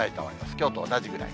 きょうと同じぐらい。